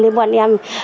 với bọn em